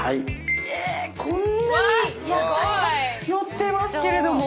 こんなに野菜が載ってますけれども。